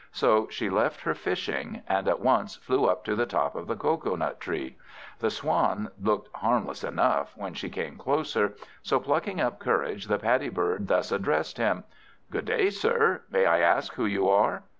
So she left her fishing, and at once flew up to the top of the cocoa nut tree. The Swan looked harmless enough when she came closer, so plucking up courage, the Paddy bird thus addressed him "Good day, sir. May I ask who you are?"